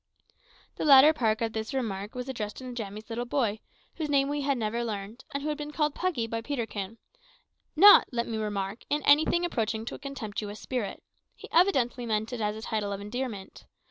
The latter part of this remark was addressed to Njamie's little boy, whose name we had never learned, and who had been called Puggy by Peterkin not, let me remark, in anything approaching to a contemptuous spirit. He evidently meant it as a title of endearment.